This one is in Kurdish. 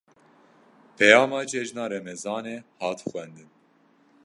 Peyama cejna remezanê, hat xwendin